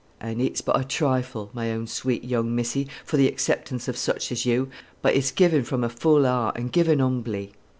And it's but a trifle, my own sweet young missy, for the acceptance of such as you, but it's given from a full heart, and given humbly."